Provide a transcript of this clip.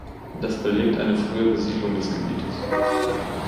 Das belegt eine frühe Besiedlung des Gebietes.